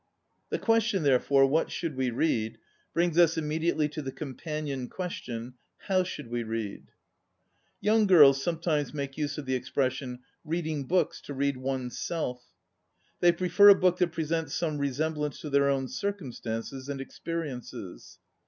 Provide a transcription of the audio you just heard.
The question, therefore. What should we read? brings us immedi ately to the companion question: How should we read? Young girls sometimes make use of the expression: "Reading books to read one's self." They prefer a book that presents some resemblance to their own circumstances and ex periences.